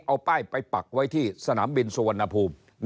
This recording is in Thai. เอาป้ายไปปักไว้ที่สนามบินสุวรรณภูมิ